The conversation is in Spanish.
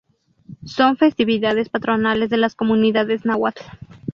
Son festividades patronales de las comunidades náhuatl.